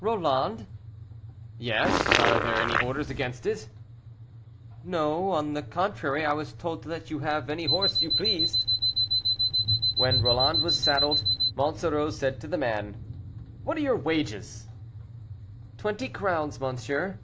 "Roland?" "Yes, are there any orders against it?" "No; on the contrary, I was told to let you have any horse you pleased." When Roland was saddled, Monsoreau said to the man, "What are your wages?" "Twenty crowns, monsieur."